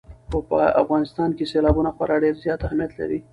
په افغانستان کې سیلابونه خورا ډېر زیات اهمیت لري.